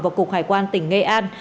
và cục hải quan tỉnh nghệ an